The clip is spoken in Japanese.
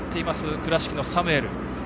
倉敷のサムエル。